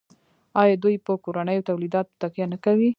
آیا دوی په کورنیو تولیداتو تکیه نه کوي؟